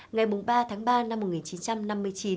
ngày ba tháng ba năm một nghìn chín trăm năm mươi chín